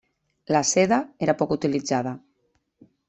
La seda era poc utilitzada.